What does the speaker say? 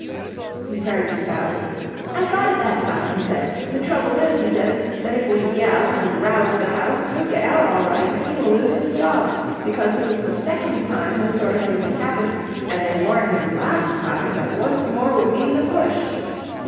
He turned to Sally. "I got it that time," he said. "The trouble is, he says, that if we yell and rouse the house, we'll get out all right, but he will lose his job, because this is the second time this sort of thing has happened, and they warned him last time that once more would mean the push."